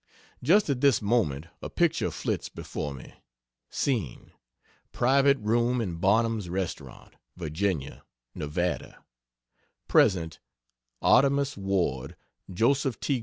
Just at this moment a picture flits before me: Scene private room in Barnum's Restaurant, Virginia, Nevada; present, Artemus Ward, Joseph T.